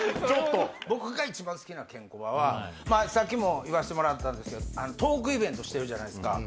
僕が一番好きなケンコバはさっきも言わしてもらったんですけどトークイベントしてるじゃないですか。